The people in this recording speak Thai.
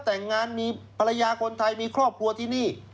แต่งงานมีภรรยาคนไทยมีครอบครัวที่นี่